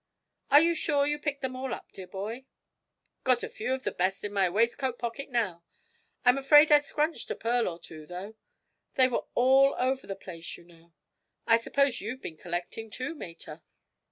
'Are you sure you picked them all up, dear boy?' 'Got a few of the best in my waistcoat pocket now. I'm afraid I scrunched a pearl or two, though: they were all over the place, you know. I suppose you've been collecting too, mater?'